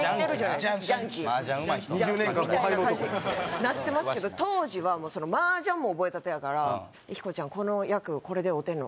雀鬼みたいな感じになってますけど当時はマージャンも覚えたてやから「ヒコちゃんこの役これで合うてるの？」